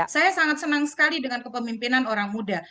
saya sangat senang sekali dengan kepemimpinan orang muda